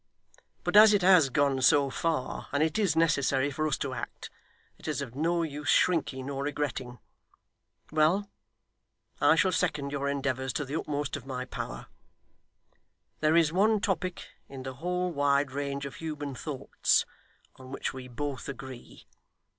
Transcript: But as it has gone so far, and it is necessary for us to act, it is of no use shrinking or regretting. Well! I shall second your endeavours to the utmost of my power. There is one topic in the whole wide range of human thoughts on which we both agree.